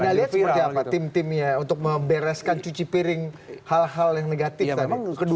anda lihat seperti apa tim timnya untuk membereskan cuci piring hal hal yang negatif tadi kedua